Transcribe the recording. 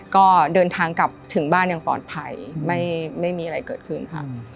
ก็เดินทางกลับถึงบ้านอย่างปลอดภัยไม่มีอะไรเกิดขึ้นค่ะ